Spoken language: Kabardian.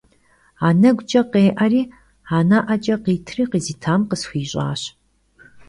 Aneguç'e khê'eri, ane'eç'e khitri khızitam khısxuiş'aş.